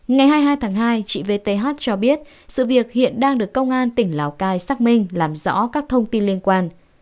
ngày hai mươi hai tháng hai chị vth cho biết sự việc hiện đang được công an tỉnh lào cai xác minh làm rõ các thông tin liên quan